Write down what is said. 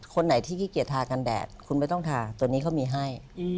คนไหนที่ขี้เกียจทากันแดดคุณไม่ต้องทาตัวนี้เขามีให้